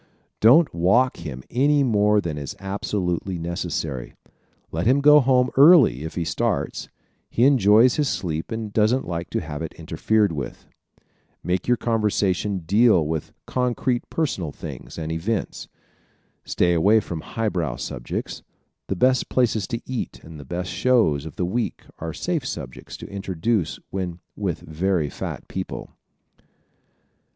Don't walk him any more than is absolutely necessary. Let him go home early if he starts. He enjoys his sleep and doesn't like to have it interfered with. ¶ Make your conversation deal with concrete personal things and events. Stay away from highbrow subjects. The best places to eat and the best shows of the week are safe subjects to introduce when with very fat people.